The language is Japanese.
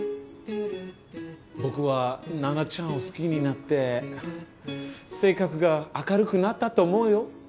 僕はナナちゃんを好きになって性格が明るくなったと思うよ。